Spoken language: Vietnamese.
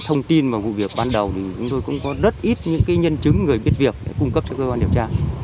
thông tin về vụ việc ban đầu thì chúng tôi cũng có rất ít nhân chứng người biết việc để cung cấp cho cơ quan điều tra